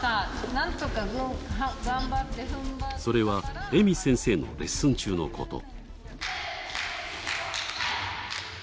それはＥＭＩ先生のレッスン中のこと。